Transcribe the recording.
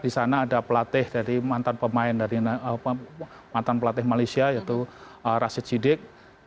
di sana ada pelatih dari mantan pemain dari mantan pelatih malaysia yaitu rashid sidik